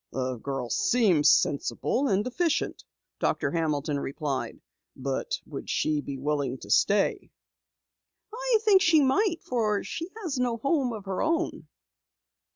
"The girl seems sensible and efficient," Doctor Hamilton replied. "But would she be willing to stay?" "I think she might for she has no home of her own."